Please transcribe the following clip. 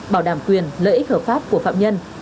bảo đảm quyền lợi ích hợp pháp của phạm nhân